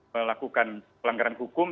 melakukan pelanggaran hukum